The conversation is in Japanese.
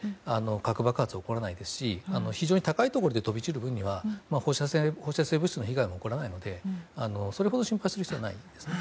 核爆発は起こらないですし非常に高いところで飛び散る分には放射性物質の被害は起こらないのでそれほど心配する必要はないです。